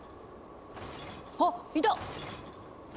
あっいた！